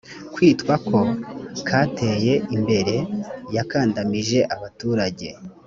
kwitwa ko kateye imbere gakandamije abaturage